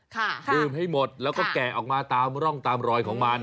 ดื่มให้หมดแล้วก็แกะออกมาตามร่องตามรอยของมัน